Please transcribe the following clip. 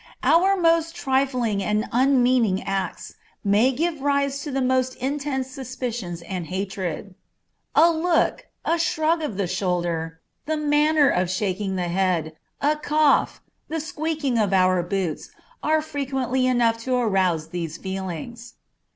Our most trifling and unmeaning acts may give rise to the most intense suspicions and hatred. A look, a shrug of the shoulder, the manner of shaking the head, a cough, the squeaking of our boots, are frequently enough to arouse, these feelings.